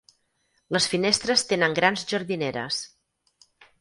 Les finestres tenen gran jardineres.